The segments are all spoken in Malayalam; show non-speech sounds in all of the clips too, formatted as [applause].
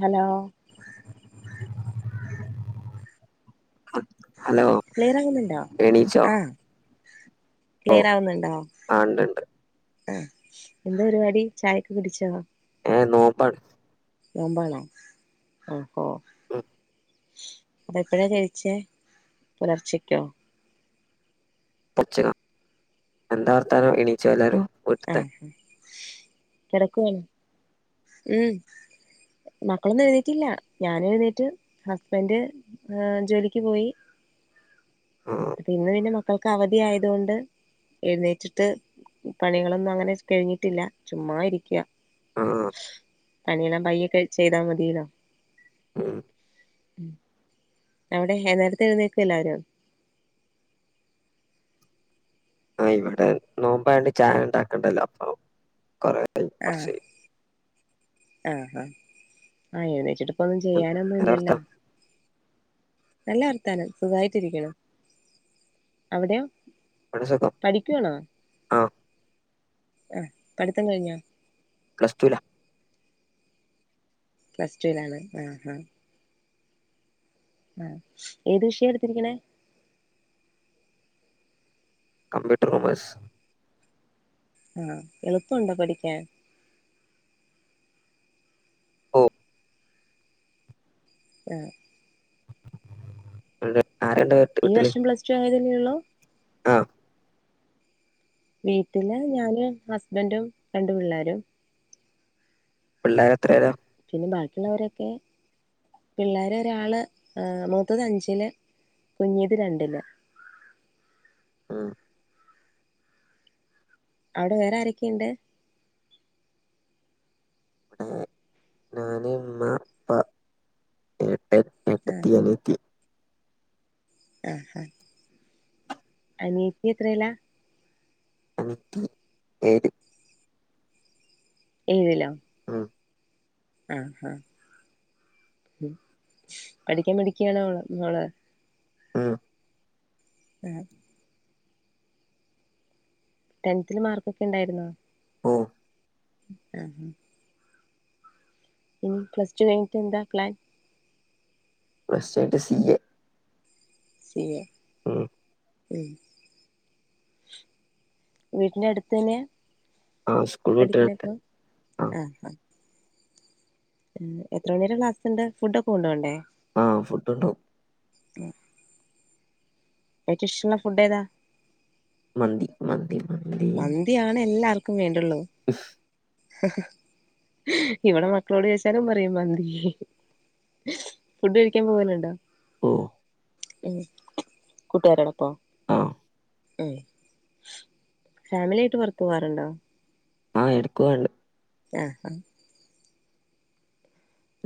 ഹലോ ഹലോ ക്ലിയറാകുന്നുണ്ടോ എണീച്ചോ ആഹ ഓ ക്ലിയർ ആവുന്നുണ്ടോ ആ ഉണ്ട്ണ്ട് ആഹ് എന്താ പരിപാടി ചായൊക്ക കുടിച്ചോ ഏ നോമ്പാണ് നോമ്പാണോ ആഹ് ഹോ [inaudible] അതെപ്പഴാ കഴിച്ചേ പുലർച്ചക്കോ പോൽച്ചക്ക എന്താവർത്താനം എണീച്ചൊ എല്ലാരും വീട്ട്ത്തെ ആഹ് കെടക്കുവാണ് ഉം മക്കളൊന്നും എഴുന്നേറ്റില്ല ഞാന് എഴുന്നേറ്റ് ഹസ്ബന്ഡ് ആഹ് ജോലിക്ക് പോയി [inaudible] ആ ഇന്ന് പിന്നെ മക്കൾക്ക് അവധി ആയതുകൊണ്ട് എഴുന്നേറ്റിട്ട് പണികളൊന്നും അങ്ങനെ കഴിഞ്ഞിട്ടില്ല ചുമ്മാ ഇരിക്ക്യ ആഹ് പണിയെല്ലാം പയ്യൊക്കെ ചെയ്താൽ മതിയല്ലോ ഉം അവിടെ നേരത്തെ എഴുന്നേക്കുമോ എല്ലാവരും ആഹ് ഇവിടെ നോമ്പ് ആയോണ്ട് ചായ ഉണ്ടാക്കണ്ടല്ലോ അപ്പൊ കൊറെ ആഹ് ആഹ് ആഹ് ആഹ് എഴുന്നച്ചിട്ട് ഇപ്പൊന്നും എന്താ ചെയ്യാനൊന്നുമില്ലല്ലോ വർത്താനം നല്ല വർത്താനം സുഖായിട്ടിരിക്കുന്നു അവിടെയോ ഇവിടെയും സുഖം പഠിക്കുവാണോ ആഹ് ആഹ് പഠിത്തം കഴിഞ്ഞോ പ്ലസ് റ്റുവിലാ പ്ലസ് ടുന് ആണ് ആഹ് ആഹ് ആഹ് ഏത് വിഷയ എടുത്തിരിക്കണേ കമ്പ്യൂട്ടർ കെമേഴ്സ് ഉം എളുപ്പമുണ്ടോ പഠിക്കാൻ ഓ ആഹ് ആരണ്ട് പ [unintelligible] ഈ വർഷം പ്ലസ് ടു ആയതല്ലേ ഉള്ളൂ ആഹ് വീട്ടില് ഞാനും, ഹസ്ബൻ്റും, രണ്ടു പിള്ളാരും പിള്ളേർ എത്രയിലാ പിന്നെ ബാക്കിയുള്ളവരൊക്കെ പിള്ളേർ ഒരാള് മൂത്തത് അഞ്ചില് കുഞ്ഞിത് രണ്ടില് മ്മ് അവിടെ വേറെ ആരൊക്കെയുണ്ട് മ് ഇവിടെ ഞാന് ഉമ്മ വാപ്പ ഏട്ടൻ ആഹ് ഏട്ടത്തി അനിയത്തി ആഹ് അനിയത്തി എത്രയിലാ അനിയത്തി ഏഴ് ഏഴിലോ ഉം ആഹ് ആഹ് പഠിക്കാൻ മിടുക്കിയാണോ അവള് ളം ഉം ടെൻതിൽ മാർക്ക് ഒക്കെ ഉണ്ടായിരുന്നോ ഓ ആഹ് ഇനി പ്ലസ് ടു കഴിഞ്ഞിട്ട് എന്താ പ്ലാൻ പ്ലസ് റ്റു കഴിഞ്ഞിട്ട് സിവില് സിഹെ ഉം ഉം വീട്ടിന്റെ അടുത്ത് തന്നെയാ ആ സ്കൂൾ വിട്ട് വരട്ടെ പഠിക്കണതൊക്കെ ആ ആഹ് ഹ് എത്ര മണി വരെ ക്ലാസ് ഉണ്ട് ഫുഡ് ഒക്കെ കൊണ്ടു പോണ്ടേ ആഹ് ഫുഡ് കൊണ്ടു പോകും ഇയാൾക്ക് ഇഷ്ടം ഉള്ള ഫുഡ് ഏതാ മന്തി മന്തി മന്തി മന്തിയാണ് എല്ലാവർക്കും വേണ്ടുള്ളത് ഹ്മ്മ് ഇവിടെ മക്കളോട് ചോയ്ച്ചാലും പറയും മന്തി ഫുഡ്ഴിക്കാൻ പോകലുണ്ടോ ഓ എ കൂട്ടുകാരോപ്പോ ആ എ ഫാമിലി ആയിട്ട് പുറത്ത് പോകറുണ്ടോ? ആ എടുക്കോഎണ്ട് ആ ആ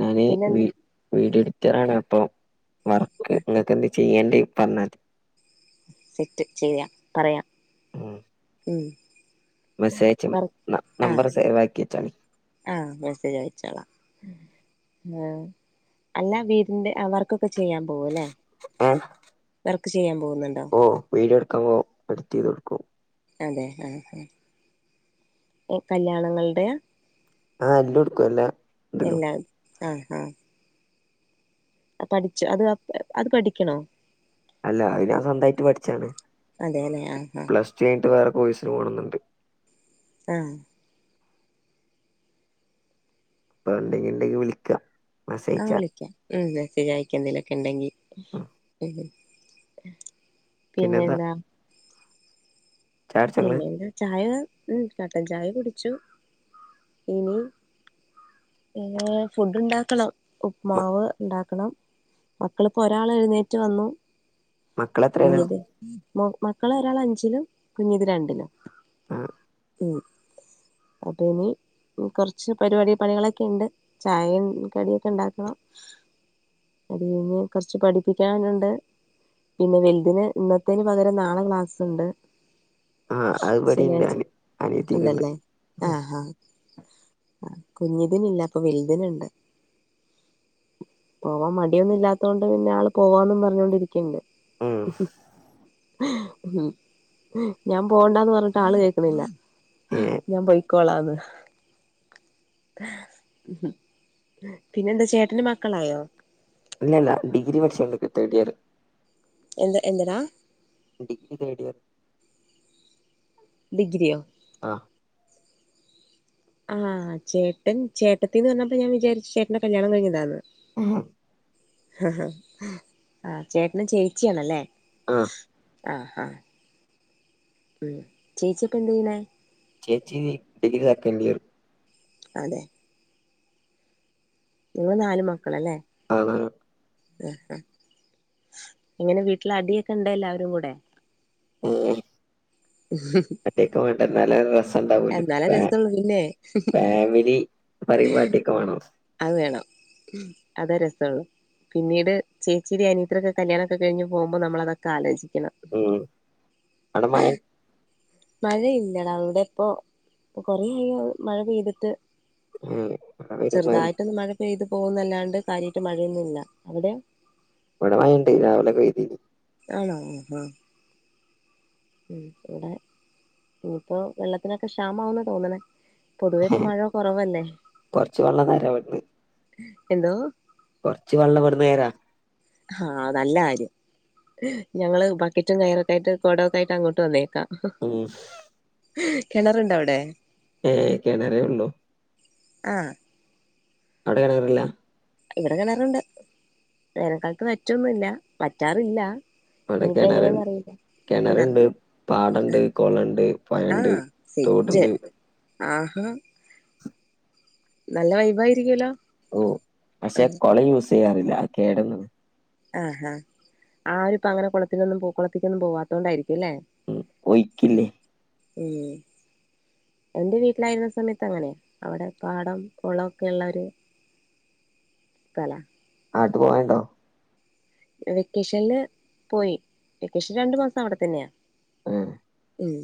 ഞാന് പിന്നെന്താ? വീഡിയോ എഡിറ്ററാണ് അപ്പൊ വർക്ക് നിങ്ങക്ക് എന്തേ ചെയ്യേണ്ടി പറഞ്ഞാതി സെറ്റ് ചെയ്യാം പറയാം. ഹ്മ്മ് ഉം മെസ്സേജ പറ നമ്പർ സേവാക്കി വച്ചാളി ആ മെസ്സേജ് അയച്ചോളാം. ആ അല്ല വീടിന്റെ വർക്കൊക്കെ ചെയ്യാൻ പോവുല്ലേ ആ ർക്ക് ചെയ്യാൻ പോകുന്നുണ്ടോ ഓ വീഡിയോ എടുക്കുമ്പോ എഡിറ്റ് ചെയ്ത് കൊടുക്കും അതെ ആഹ് കല്യാണങ്ങളുടെയാ ആഹ് എല്ലുട്ക്കും എല്ലാ ഇണ്ടല്ലോ എല്ലാം ആഹ് ആഹ് പഠിച്ചു അത് അത് പഠിക്ക്യണോ അല്ല അത് ഞാൻ സ്വന്തായിട്ട് പഠിച്ചാണ്. അതെല്ലെ ആഹ് ആഹ് പ്ലസ്ടു കയിഞ്ഞിട്ട് വേറെ കോഴസിന് പോണെന്നുണ്ട് ആഹ് ആഹ് ഇണ്ടെങ്കി ഇണ്ടെങ്കി വിളിക്കാ ആഹ് വിളിക്ക. ഉം മെസ്സേജയിക്ക ന്തേലൊക്കെണ്ടെങ്കി ഉം പിന്നെന്താ ചായ കുടിച്ചോ ഇങ്ങള് പിന്നെന്താ ചായ കട്ടൻ ചായ കുടിച്ചു ഇനി ഫുഡ് ഉണ്ടാക്കണം ഉപ്മാവ് ഇണ്ടാക്കണം മക്കളിപ്പോ ഒരാൾ എഴുന്നേറ്റ് വന്നു മക്കള് എത്രയിലാ കുഞ്ഞിത്. മക്കളരാൾ അഞ്ചിലും കുഞ്ഞത് രണ്ടിലും ആഹ് ഉം അപ ഇഞ്ഞ് കൊറ്ച്ച് പരിപാടി പണികളൊക്കെ ഉണ്ട്. ചായും കടിയൊക്കെ ഇണ്ടാക്കണം. അത് കഴിഞ്ഞ്കൊറ്ച്ച് പഠിപ്പിക്കാന്ണ്ട് പിന്നെ വൽതിന് ഇന്നത്തേന് പകരം നാളെ ക്ലാസ് ഇണ്ട് ആഹ് അത് ഇവിടെണ്ട് ശനിയാഴ്ച അനി അനിയത്തിക്ക്ണ്ട് ഇണ്ടല്ലേ ആഹ് ഹാ ആഹ് കുഞ്ഞതിന് ഇല്ല. അപ്പൊ വൽത് ന് ഇണ്ട്. പോവാൻ മടിയൊന്നും ഇല്ലാത്തോണ്ട് പിന്നെ ആള് പോവാന്നും പറഞ്ഞോണ്ടിരിക്ക്ണ്ട്. ഉം ഉംഹും ഹും [inaudible] ഞാൻ പോണ്ടാന്ന് പറ്ഞ്ഞിട്ട് ആള് കേക്കുന്നില്ല. ഏഹ് ഞാൻ പൊയ്ക്കോളാന്ന് [inaudible] പിന്നെന്താ ചേട്ടന് മക്കളായോ ഇല്ലല്ല. ഡിഗ്രി പഠിച്ചോണ്ടിരിക്കാ തേർഡ് ഇയർ എന്ത് എന്തനാ ഡിഗ്രി തേഡ്ഇയർ ഡിഗ്രിയോ ആഹ് ആഹ് ചേട്ടൻ ചേട്ടത്തിന്ന് പറ്ഞ്ഞപ്പോ ഞാൻ വിചാരിച്ചു ചേട്ടന്റെ കല്യാണം കഴിഞ്ഞതാന്ന്. ഉം ആഹ് ചേട്ടനും ചേച്ചിയാണല്ലേ? ആഹ്. ആഹ് ആഹ് ഉം ചേച്ചിക്കെന്ത്യ്യണേ? ചേച്ചി ഡിഗ്രി സെക്കൻഡിയർ. അതെ. ഇങ്ങള് നാല് മക്കളല്ലേ? ആണ് ഇങ്ങനെ വീട്ടിലഡ്യോക്കെ ഇണ്ട എ ല്ലാവരും കൂടെ? ഉം ഉം. അട്ടിക്കെ വേണ്ട നല്ല രസം ഇണ്ടാവൊല്ലൊ എന്നാലേ ലേ. രസള്ളൂ പിന്നെ. ഫാമിലി പരിപാട്യോക്കെ മാണം. അഹ് വേണം അതാ രസൊള്ളു. പിന്നീട് ചേച്ചിടി അനീത്രക്ക കല്യാണോക്കെ കഴിഞ് പോവുമ്പോ നമ്മളതൊക്കെ ആലോചിക്കണം. ഉം അട മയെ. മഴയില്ലടാ ഇവടെപ്പൊ കൊറെയി മഴ പെയ്തിട്ട്. ഏഹ് ഇവിടെ പെരും ചെറുതായിട്ടൊന്ന് മഴ പെയ്ത് പോവുന്നല്ലാണ്ട് കാര്യായിട്ട് മഴയൊന്നുല്ല അവിടെ. ഇവിടെ മയെണ്ട് രാവിലെ പെയ്തി നി ആണോ ആഹ് അഹ് ഉം വിടെ ഇനിപ്പോ വെള്ളത്തിനൊക്കെ ശാമാവുന്ന തോന്നണെ. പൊതുവേപ്പൊ മഴകൊറവല്ലേ കൊറച്ച് വെള്ളം തരാ ഇവിടുന്ന് എന്തോ. കൊറച്ച് വള്ളം ഇവട്ന്നെരാ. ആഹ് നല്ലാര്യം. ഞങ്ങള് ബക്കറ്റും കയറൊക്ക ആയിട്ട് കൊടൊക്കെ അയിട്ട് അങ്ങോട്ട് വന്നേക്കാം. ഉം കെണറുണ്ടവടെ? ഏഹ് കെണറേള്ളൂ. ആഹ്. അവടെ റേണറില്ല. ഇവിടെ കെണറ്ണ്ട് വേനൽ ക്കാ ലത്ത് വറ്റൊന്നുല്ല വറ്റാറില്ല. ഇനിഇപ്പ ങ്ങനെന്നറിയില്ല. കെണറ്ണ്ട്, പാടണ്ട്, കൊളണ്ട്, ആ പയണ്ട്, സെറ്റ് തോട്ണ്ട്. ആഹാ. നല്ല വൈബായിരിക്കൂ ല്ലോ. ഓഹ് പശേ കൊള യൂസ്യ്യാറില്ല കേടന്ന ആഹ് ഹ ആരുപ്പങ്ങനെ കുളത്തിനൊന്നും പൊ കുളത്തക്കൊന്നും പോവാതോ ണ്ടാരിക്കുംല്ലേ? ഉം ഉം ഒയ്ക്കില്ലേ ഉം. എൻറെ വീട്ടിലായിരുന്ന സമയത്ത ങ്ങനെ അവടെ പാടം കൊളക്കെ ഇള്ളര്. സ്ഥല. ആതു വോയ്‌ണ്ടോ? വെക്കേഷനില് പോയി വെക്കേഷന് രണ്ടു മാസവടെ തന്നെയാ. ഏഹ്. ഉം.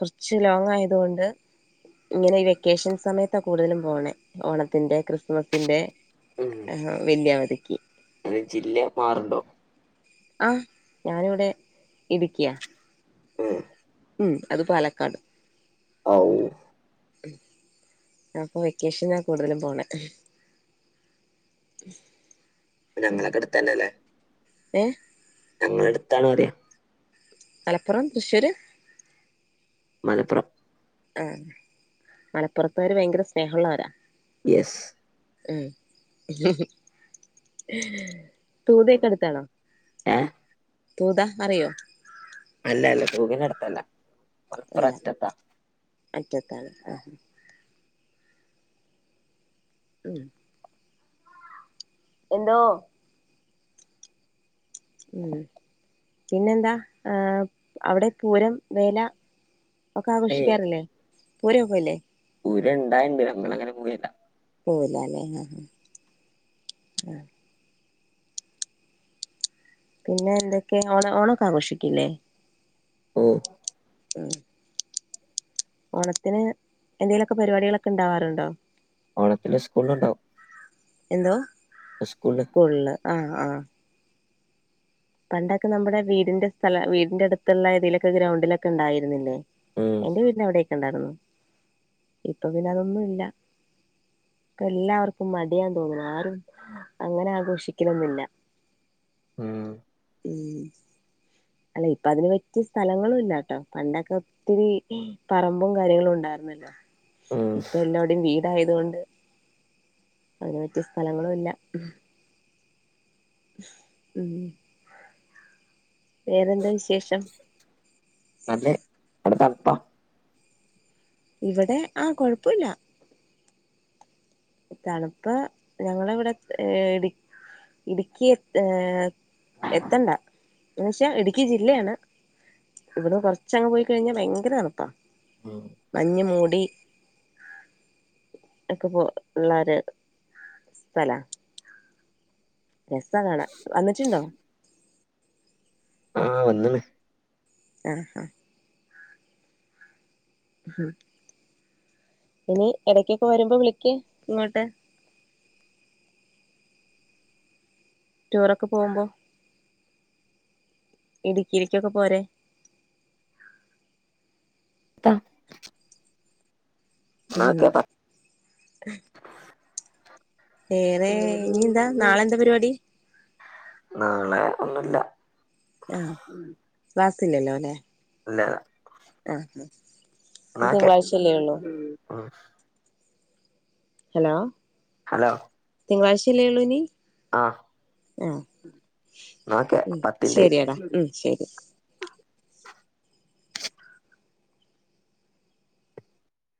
കൊറച്ച് ലോങ്ങായതുകൊണ്ട്. ഇങ്ങനെ ഈ വെക്കേഷൻ സമയത്താ കൂടുതലും പോണേ ഓണത്തിന്റെ ക്രിസ്മസിന്റെ. ആഹ് വല്യവതിക്ക്. റേ ജില്യ മാറ്ണ്ടോ? ആഹ് ഞാനിവ്ടെ ഇടുക്യാ. ഉം ഉം അത് പാലക്കാട് ആഗ് അപ്പൊ വെക്കേഷൻലാ കൂടുതലും പോണെ ഞങ്ങളക്കെടുത്തന്നെല്ലേ ഏഹ് ഞങ്ങളടുത്താണന്ന് പറിയ മലപ്പുറം തൃശ്ശൂര് മലപ്പുറം ആഹ് മലപ്പുറതാര് ഭയങ്കര സ്നേഹള്ളോരാ യെസ് ഉം തൂതയൊക്കെയ്ടുത്താണോ ഏഹ് തൂതാ അറിയോ അല്ലല്ല തൂവി [unintelligible] നടുത്തല്ല [unintelligible] അറ്റത്താ അറ്റത്താ [unintelligible] ഉം എന്തോ ഉം പിന്നെന്താ ആഹ് അവിടെ പൂരം വേല ഒക്കെ ഏയ് ആഘോഷിക്കാറില്ലേ പൂരം ഒന്നുംയില്ലേ പൂരം ഇണ്ടായിണ്ട് നമ്മള് അങ്ങനെ പോവല്ല [unintelligible] പിന്നെ എന്തൊക്കെ ഓണ ഓണയൊക്കെ ആഘോഷിക്കില്ലേ ഓഹ് മ്മ്ഹ് [unintelligible] ഓണത്തിന് ന്തെലോക്കെ പരിപാടികളൊക്കെ ണ്ടാവാറുണ്ടോ ഓണത്തിന് സ്കൂളിലുണ്ടാവും എന്തുവാ സ്കൂളില് ആഹ് ആഹ് പണ്ടൊക്കെ നമ്മുടെ വീടിന്റെ സ്ഥല വീടിന്റെ അടുത്തുള്ള ഏതിലൊക്കെ ഗ്രൗണ്ടിലൊക്കെ ഇണ്ടായിരുന്നില്ലേ ഉം എന്റെ വീട്ടിനവിടൊക്കെ ഉണ്ടായിരുന്നു ഇപ്പൊ പിന്നെ അതൊന്നുംയില്ല ഇപ്പോ എല്ലാവർക്കും മടിയാന്തോന്നണു ആരും അങ്ങനെ ആഘോഷിക്കന്നുല്ല ഉം ഉം അല്ല ഇപ്പ അതിന് പറ്റിയ സ്ഥലങ്ങളും ഇല്ലാട്ടോ പണ്ടൊക്കെ- ഇത്തിരി പറമ്പും കാര്യങ്ങളും ഒണ്ടായിരുന്നല്ലോ ഉം ഇപ്പൊ എല്ലാടോം വീടായതു കൊണ്ട് അതിനു പറ്റിയ സ്ഥലങ്ങളുംയില്ല ഉം വേറെന്തുവാ വിശേഷം നല്ലെ തണുപ്പാ ഇവിടെ ആ കൊഴപ്പില്ല തണുപ്പ് ഞങ്ങള ഇവിടെ ഇട് ഇടുക്കി ഏഹ് എത്തണ്ട എന്ന് വെച്ചാൽ ഇടുക്കി ജില്ലയാണ് ഇവിടെ കൊറച്ചങ്ങങ് പോയി കഴിഞ്ഞാൽ ഭയങ്കര തണുപ്പാ ഉം മഞ് മൂടി ഒക്കെ പോ പിള്ളാര് സ്ഥല രസവ കാണാൻ വന്നിട്ട് ഉണ്ടോ ആഹ് വന്നീണ് [unintelligible] ഹ്മ്മ് [unintelligible] ഇനി എടക്കൊക്കെ വരുമ്പോ വിളക്ക് ഇങ്ങോട്ട് ടൂറോക്കെ പോകുമ്പോ ഇടുക്കിയിലേക്കൊക്കെ പോരെ [unintelligible] ഉം ആക്കപ്പ [unintelligible] ഏറെ പത്ത് ഇനി എന്താ നാളെ എന്താ പരിപാടി നാളെ ഒന്നുമല്ല ആഹ് ക്ലാസ്ല് ഇല്ലല്ലോ അല്ലേ ഇല്ലയില്ല ആ് ആ [unintelligible] നക്കെ [unintelligible] ഹലോ ഹലോ തിങ്കലാഴ്ച്ചയല്ലേ ഉള്ളൂ ഇനി ആഹ് ആഹ് ന്നാക്കെ ഉം പത്തിന്റെ ശരിയടാ ഉം ശരി